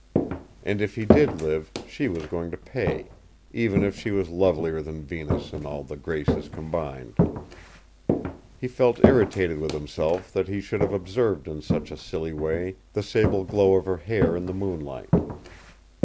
And if he did live, she was going to pay, even if she was lovelier than Venus and all the Graces combined. He felt irritated with himself that he should have observed in such a silly way the sable glow of her hair in the moonlight.